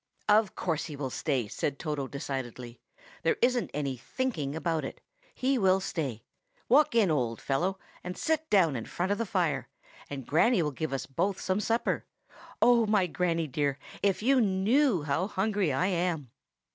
"Of course he will stay," said Toto decidedly. "There isn't any 'thinking' about it. He will stay. Walk in, old fellow, and sit down in front of the fire, and Granny will give us both some supper. Oh! my Granny dear, if you knew how hungry I am!"